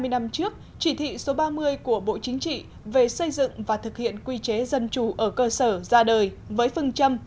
hai mươi năm trước chỉ thị số ba mươi của bộ chính trị về xây dựng và thực hiện quy chế dân chủ ở cơ sở ra đời với phương châm